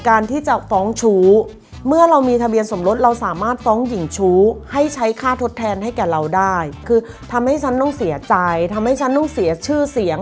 คือทำให้ฉันต้องเสียใจทำให้ฉันต้องเสียชื่อเสียง